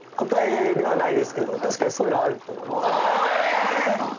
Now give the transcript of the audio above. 答えではないですけど確かにそういうのあると思います。